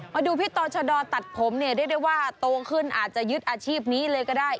มาดูพี่ต่อชะดอตัดผมเนี่ยเรียกได้ว่าโตขึ้นอาจจะยึดอาชีพนี้เลยก็ได้